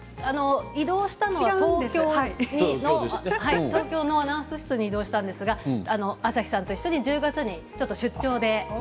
異動したのは東京に東京のアナウンス室に異動したんですが朝日さんと一緒に１０月にちょっと出張で。